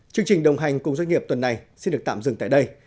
chương trình đồng hành cùng doanh nghiệp tuần này xin được tạm dừng tại đây